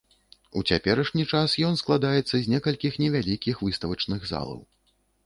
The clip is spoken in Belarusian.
У цяперашні час ён складаецца з некалькіх невялікіх выставачных залаў.